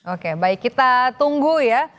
oke baik kita tunggu ya